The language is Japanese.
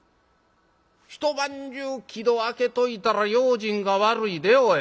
『一晩中木戸開けといたら用心が悪いでおい。